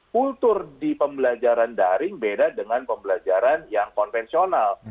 kultur di pembelajaran daring beda dengan pembelajaran yang konvensional